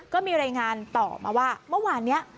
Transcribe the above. ก็มีรายงานต่อมาว่าเมื่อวานนี้